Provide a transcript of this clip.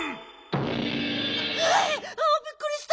うわびっくりした！